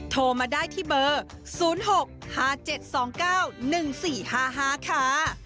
โทรมาได้ที่เบอร์๐๖๕๗๒๙๑๔๕๕ค่ะ